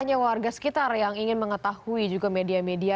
hanya warga sekitar yang ingin mengetahui juga media media